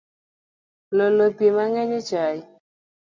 Iolo pii mangeny e chai